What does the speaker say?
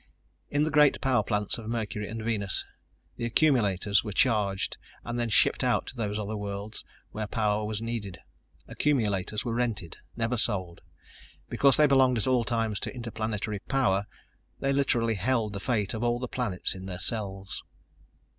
In the great power plants of Mercury and Venus, the accumulators were charged and then shipped out to those other worlds where power was needed. Accumulators were rented, never sold. Because they belonged at all times to Interplanetary Power, they literally held the fate of all the planets in their cells.